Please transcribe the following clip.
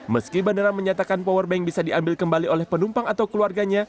meski bandara menyatakan powerbank bisa diambil kembali oleh penumpang atau keluarganya